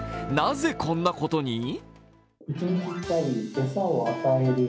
なぜこんなことに？